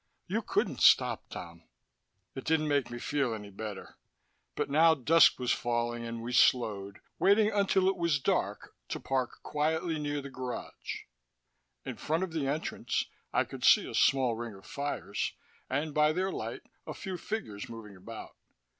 You couldn't stop, Tom." It didn't make me feel any better. But now dusk was falling, and we slowed, waiting until it was dark to park quietly near the garage. In front of the entrance, I could see a small ring of fires, and by their light a few figures moving about.